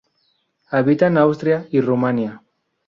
Habita en Austria y Rumania.